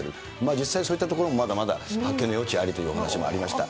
実際そういったところも、まだまだ発見の余地ありというお話もありました。